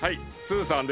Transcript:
スーさん？